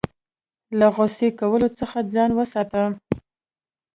له غوسې کولو څخه ځان وساته .